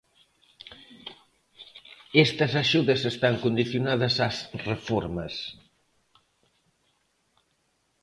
Estas axudas están condicionadas ás reformas.